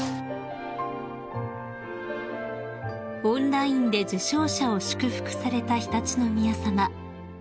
［オンラインで受賞者を祝福された常陸宮さま］